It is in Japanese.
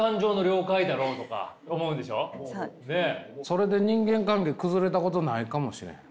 それで人間関係崩れたことないかもしれへん。